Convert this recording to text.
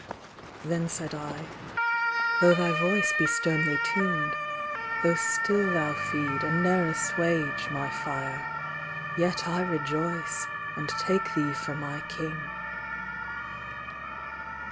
Then said I â " Though thy voice be sternly tuned, Though still thou feed, and ne'er assuage, my fire. Yet I rejoice, and take thee for my King."